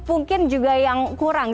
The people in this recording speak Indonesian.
mungkin juga yang kurang